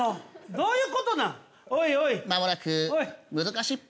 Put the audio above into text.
どういうことなぁ。